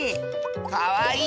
かわいい？